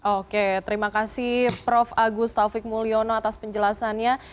oke terima kasih prof agus taufik mulyono atas penjelasannya